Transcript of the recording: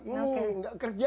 ini nggak kerja